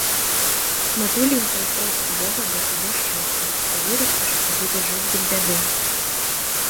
Матуленька ўпросіць бога для цябе шчасця, ты вырасцеш і будзеш жыць без бяды.